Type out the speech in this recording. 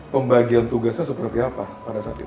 pembagian tugasnya seperti apa pada saat itu